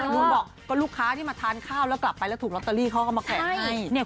นู้นบอกก็ลูกค้าที่มาทานข้าวแล้วกลับไปแล้วถูกลอตเตอรี่เขาก็มาแขกให้